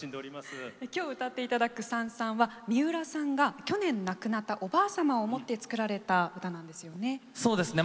今日、歌っていただく「燦燦」は去年、亡くなった、おばあ様を思って作られた歌なんですよね。